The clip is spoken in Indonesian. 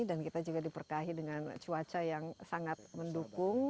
dan kita juga diperkahi dengan cuaca yang sangat mendukung